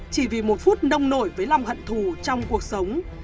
chỉ vì một phút nông nổi với lòng hận thù trong cuộc sống